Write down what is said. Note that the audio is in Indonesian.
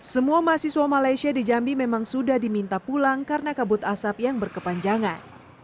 semua mahasiswa malaysia di jambi memang sudah diminta pulang karena kabut asap yang berkepanjangan